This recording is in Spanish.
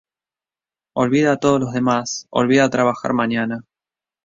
Olvida a todos los demás, olvida trabajar mañana."".